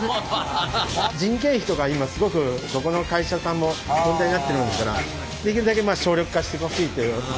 人件費とか今すごくどこの会社さんも問題になってるもんですからできるだけ省力化してほしいというご要望で作りました。